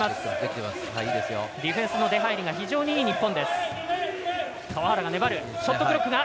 ディフェンスの出入りが非常にいい日本。